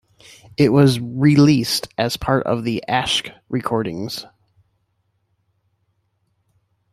It was released as part of "The Asch Recordings".